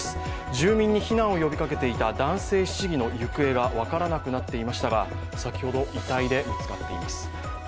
住民に避難を呼びかけていた男性市議の行方が分からなくなっていましたが先ほど、遺体で見つかっています